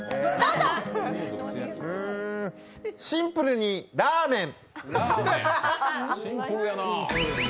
シンプルにラーメン。